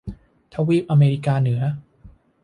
ทวีปอเมริกาเหนือ